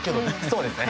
そうですね。